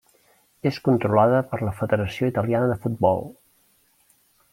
És controlada per la Federació Italiana de Futbol.